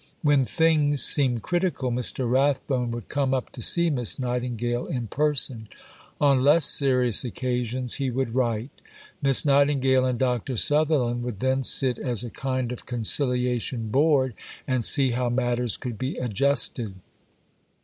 When things seemed critical, Mr. Rathbone would come up to see Miss Nightingale in person; on less serious occasions he would write. Miss Nightingale and Dr. Sutherland would then sit as a kind of Conciliation Board, and see how matters could be adjusted.